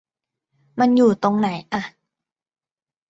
มันอยู่ตรงไหนอ่ะ